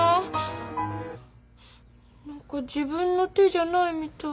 何か自分の手じゃないみたい。